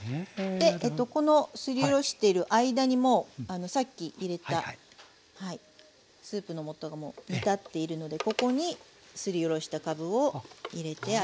このすりおろしている間にもうさっき入れたスープの素がもう煮立っているのでここにすりおろしたかぶを入れてあげましょう。